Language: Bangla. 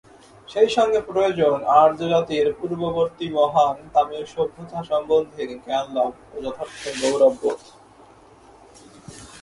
সেইসঙ্গে প্রয়োজন আর্যজাতির পূর্ববর্তী মহান তামিল-সভ্যতা সম্বন্ধে জ্ঞানলাভ ও যথার্থ গৌরববোধ।